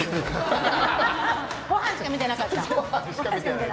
ごはんしか見てなかった？